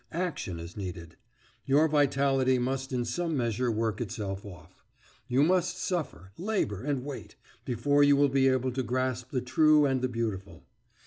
Action is needed. Your vitality must in some measure work itself off. You must suffer, labour, and wait, before you will be able to grasp the true and the beautiful.